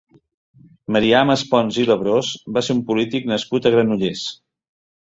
Marià Maspons i Labrós va ser un polític nascut a Granollers.